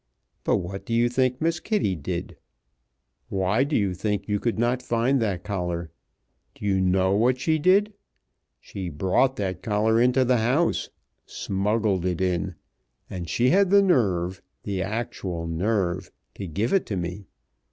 But what do you think Miss Kitty did? Why do you think you could not find that collar? Do you know what she did? She brought that collar into the house smuggled it in and she had the nerve, the actual nerve, to give it to me.